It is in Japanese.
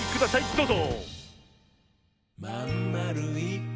どうぞ！